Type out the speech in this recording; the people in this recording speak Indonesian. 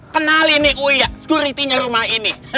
kenalin nih uya securitynya rumah ini